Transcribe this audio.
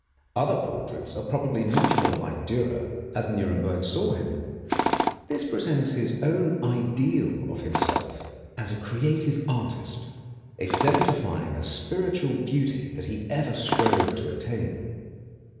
Other portraits are probably much more like Dürer as Nuremberg saw him. This presents his own ideal of himself as creative artist, exemplifying a spiritual beauty that he ever strove to attain.